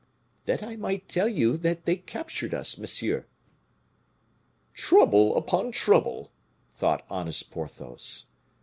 "That I might tell you they have captured us, monsieur." "Trouble upon trouble," thought honest Porthos.